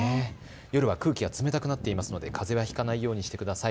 夜は空気が冷たくなっていますので、かぜはひかないようにしてください。